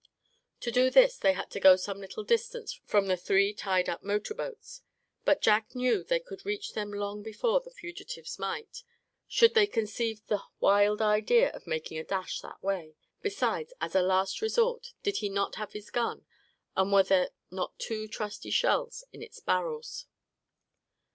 To do this they had to go some little distance from the three tied up motor boats; but Jack knew they could reach them long before the fugitives might, should they conceive the wild idea of making a dash that way. Besides, as a last resort, did he not have his gun, and were there not two trusty shells in its barrels?